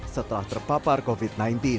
setelah terpapar covid sembilan belas